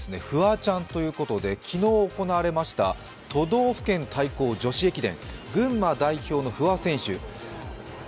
フワちゃんということで昨日行われました都道府県対抗女子駅伝、群馬代表の不破選手。